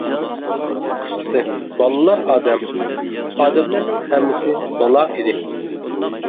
قىسقىسى، بالىلار ئادەم، ئادەملەرنىڭ ھەممىسى بالا ئىدى.